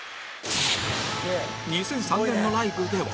２００３年のライブでは